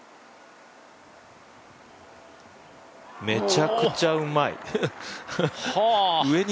めちゃくちゃうまい！